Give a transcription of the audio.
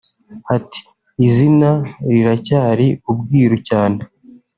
Ati “Izina riracyari ubwiru cyane